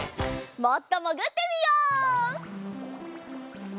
もっともぐってみよう！